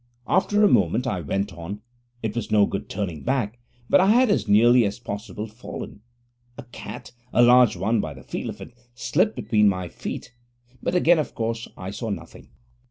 After a moment I went on it was no good turning back but I had as nearly as possible fallen: a cat a large one by the feel of it slipped between my feet, but again, of course, I saw nothing.